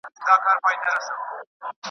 زما به سترګي کله روڼي پر مېله د شالمار کې .